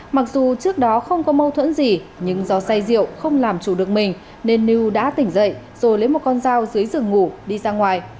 mặc dù trước đó không có mâu thuẫn gì nhưng do say rượu không làm chủ được mình nên lưu đã tỉnh dậy rồi lấy một con dao dưới giường ngủ đi ra ngoài